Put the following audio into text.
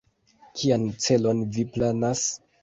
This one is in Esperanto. Kian celon vi planas?